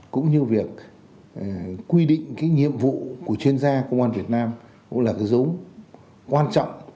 cũng như việc quy định nhiệm vụ của chuyên gia công an việt nam cũng là dấu quan trọng